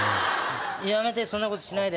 やめてそんなことしないで。